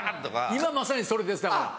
今まさにそれです。